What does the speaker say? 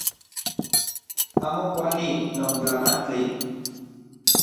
Amo kuali non tlamantli